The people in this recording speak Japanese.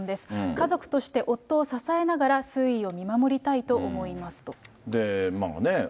家族として夫を支えながら、推移を見守りたいと思いますと。